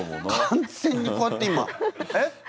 完全にこうやって今「えっ？」て。